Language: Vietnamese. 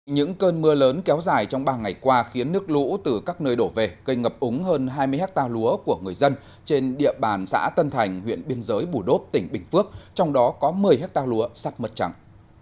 những cơn mưa lớn kéo dài trong ba ngày qua khiến nước lũ từ các nơi đổ về gây ngập úng hơn hai mươi hectare lúa của người dân trên địa bàn xã tân thành huyện biên giới bù đốp tỉnh bình phước trong đó có một mươi hectare lúa sắc mất trắng